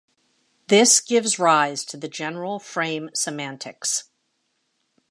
This gives rise to the general frame semantics.